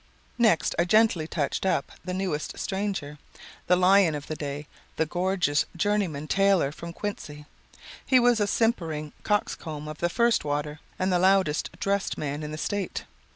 "Next I gently touched up the newest stranger, the lion of the day, the gorgeous journeyman tailor from Quincy. He was a simpering coxcomb of the first water, and the "loudest" dressed man in the State.